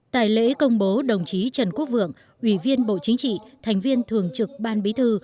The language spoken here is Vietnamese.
tại lễ công bố đồng chí trần quốc vượng ủy viên bộ chính trị thành viên thường trực ban bí thư